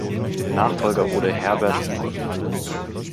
Nachfolger wurde Herbert Huber.